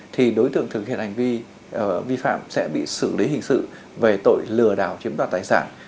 thì đối tượng thực hiện hành vi vi phạm sẽ bị xử lý hình sự về tội lừa đảo chiếm đoạt tài sản